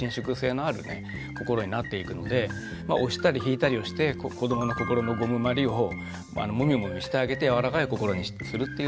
心になっていくので押したり引いたりをして子どもの心の「ゴムまり」をモミモミしてあげてやわらかい心にするっていうのがね